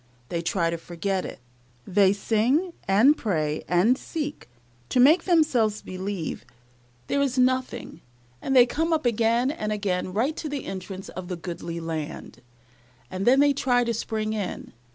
They try to forget it they sing, and pray, and seek, to make themselves believe there is nothing, and they come up again and again right to the entrance of the goodly land, and then they try to spring in.